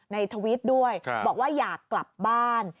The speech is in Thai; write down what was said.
ทวิตด้วยบอกว่าอยากกลับบ้าน